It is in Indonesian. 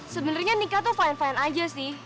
sebenarnya nikah tuh fine fine aja sih